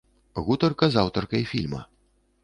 Гутарка з аўтаркай фільма.